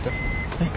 はい。